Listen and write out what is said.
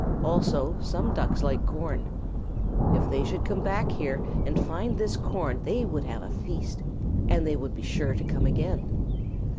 Also some Ducks like corn. If they should come back here and find this corn, they would have a feast, and they would be sure to come again.